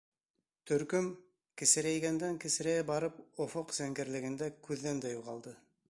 Төркөм, кесерәйгәндән-кесерәйә барып, офоҡ зәңгәрлегендә күҙҙән дә юғалды.